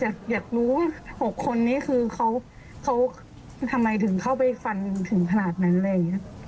จะอยากรู้ว่า๖คนนี้คือเขาเขาทำไมถึงเข้าไปฟันถึง